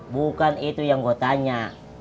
bukan itu yang gue tanya